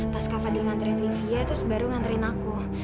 pas kak fadil nganterin livia terus baru nganterin aku